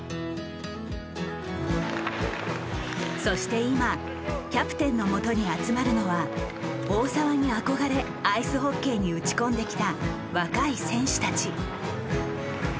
そして今キャプテンのもとに集まるのは大澤に憧れアイスホッケーに打ち込んできた若い選手たち。